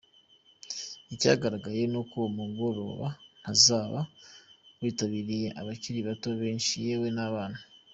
Icyagaragaye ni uko uwo mugoroba-ntabaza witabiriye n’abakiri bato benshi, yewe n’abana.